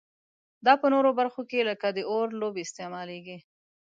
دا په نورو برخو کې لکه د اور لوبې استعمالیږي.